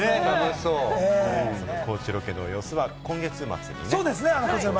高知ロケの様子は今月末ですね。